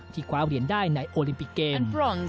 คว้าเหรียญได้ในโอลิมปิกเกม